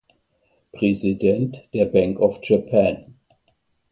Präsident der Bank of Japan.